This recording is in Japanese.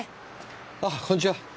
あこんにちは。